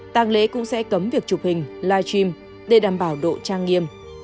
tàng lễ cũng sẽ cấm việc chụp hình live stream để đảm bảo độ trang nghiêm